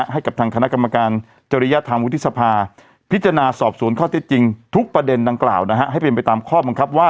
ให้เบียนไปตามข้อบังคับว่า